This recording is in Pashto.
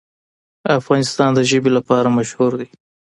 افغانستان د ژبې لپاره مشهور دی.